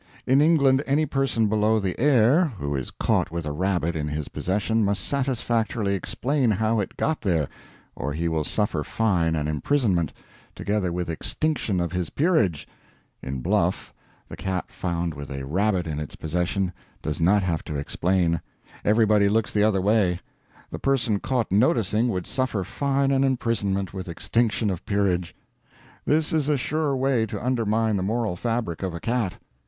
In England any person below the Heir who is caught with a rabbit in his possession must satisfactorily explain how it got there, or he will suffer fine and imprisonment, together with extinction of his peerage; in Bluff, the cat found with a rabbit in its possession does not have to explain everybody looks the other way; the person caught noticing would suffer fine and imprisonment, with extinction of peerage. This is a sure way to undermine the moral fabric of a cat.